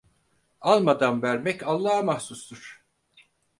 Almadan vermek Allah'a mahsustur.